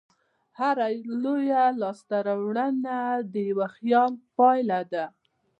هره لویه لاستهراوړنه د یوه خیال پایله ده.